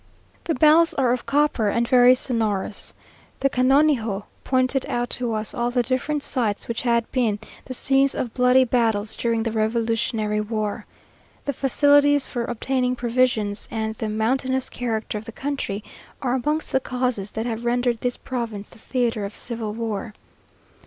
The bells are of copper, and very sonorous. The canonigo pointed out to us all the different sites which had been the scenes of bloody battles during the revolutionary war. The facilities for obtaining provisions, and the mountainous character of the country, are amongst the causes that have rendered this province the theatre of civil war.